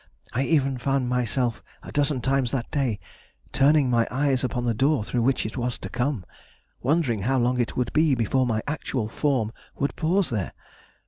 I even found myself a dozen times that day turning my eyes upon the door through which it was to come, wondering how long it would be before my actual form would pause there.